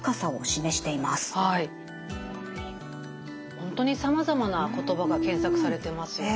本当にさまざまな言葉が検索されてますよね。